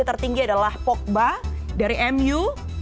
tertinggi adalah pogba dari mu